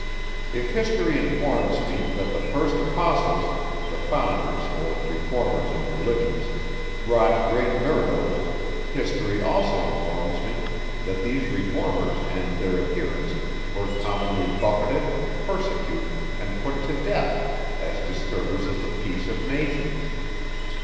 If history informs me, that the first apostles, the founders or reformers of religions, wrought great miracles; history also informs me, that these reformers and their adherents were commonly buffeted, persecuted, and put to death, as disturbers of the peace of nations.